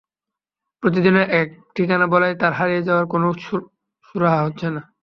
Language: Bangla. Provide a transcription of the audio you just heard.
প্রতিদিনই একেক ঠিকানা বলায় তার হারিয়ে যাওয়ারও কোনো সুরাহা হচ্ছে না।